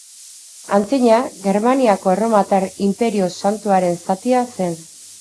Antzina, Germaniako Erromatar Inperio Santuaren zatia zen.